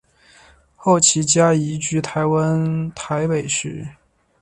后其家移居台湾台北市。